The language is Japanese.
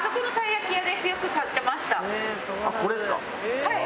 はい。